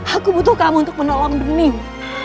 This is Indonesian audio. aku butuh kamu untuk menolong bening